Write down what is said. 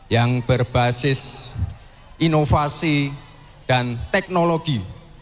yang berbasis inovasi dan teknologi